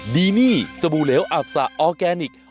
ดีนี่สบู่เหลวอับสะออร์แกนิค